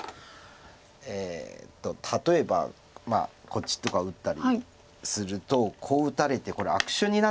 例えばこっちとか打ったりするとこう打たれてこれ悪手に。